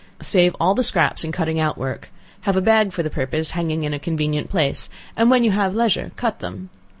Save all the scraps in cutting out work; have a bag for the purpose hanging in a convenient place, and when you have leisure cut them.